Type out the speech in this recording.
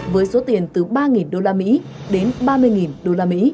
với số tiền từ ba usd đến ba mươi usd